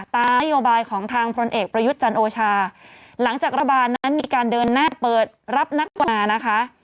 นโยบายของทางพลเอกประยุทธ์จันโอชาหลังจากรัฐบาลนั้นมีการเดินหน้าเปิดรับนักกว่านะคะ